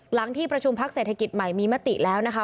หลังที่ประชุมพักเศรษฐกิจใหม่มีมติแล้วนะคะ